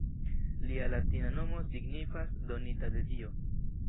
Lia latina nomo signifas “donita de dio“.